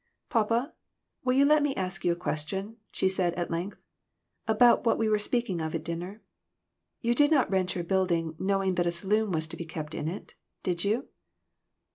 "Papa, will you let me ask you a question," she said, at length, "about what we were speaking of at dinner? You did not rent your building know ing that a saloon was to be kept in it, did you